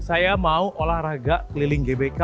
saya mau olahraga keliling gbk